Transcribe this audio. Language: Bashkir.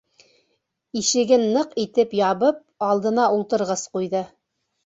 Ишеген ныҡ итеп ябып, алдына ултырғыс ҡуйҙы.